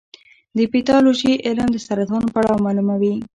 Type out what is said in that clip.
د پیتالوژي علم د سرطان پړاو معلوموي.